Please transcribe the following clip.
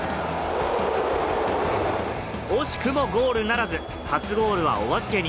惜しくもゴールならず、初ゴールはお預けに。